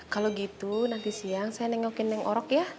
kalau gitu nanti siang saya nengokin neng orok ya